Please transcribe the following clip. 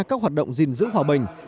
các hoạt động gìn giữ hòa bình